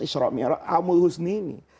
isra amul husni ini